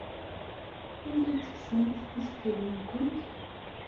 Anda ay tekksemt tisekkadin-nwent?